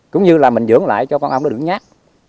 cũng như là mình dưỡng lại cho con ong nó đứng nhát